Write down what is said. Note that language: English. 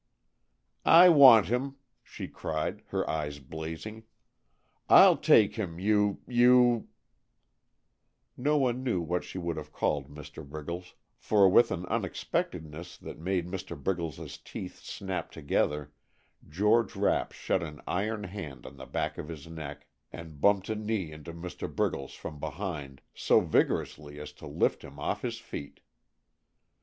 "I want him!" she cried, her eyes blazing. "I'll take him, you you " No one knew what she would have called Mr. Briggles, for with an unexpectedness that made Mr. Briggles's teeth snap together George Rapp shut an iron hand on the back of his neck, and bumped a knee into Mr. Briggles from behind so vigorously as to lift him off his feet.